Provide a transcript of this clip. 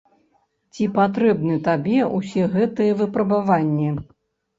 Ці патрэбны табе ўсе гэтыя выпрабаванні?